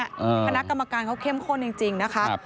คณะกรรมการเขาเข้มข้นจริงนะคะ